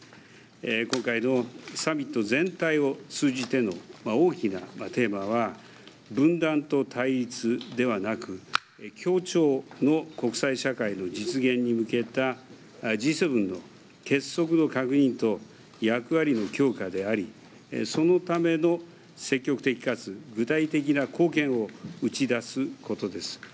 今回のサミット全体を通じての大きなテーマは分断と対立ではなく協調の国際社会の実現に向けたＧ７の結束の確認と役割の強化でありそのための積極的、かつ具体的な貢献を打ち出すことです。